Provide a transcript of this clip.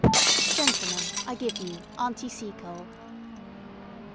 Gentlemen, I give you Aunty Seacole!"